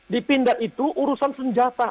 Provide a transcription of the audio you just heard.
di pindad itu urusan senjata